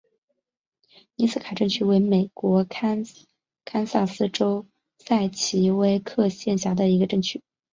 宁斯卡镇区为美国堪萨斯州塞奇威克县辖下的镇区。